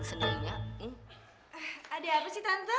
eh ada apa sih tante